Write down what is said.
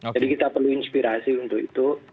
jadi kita perlu inspirasi untuk itu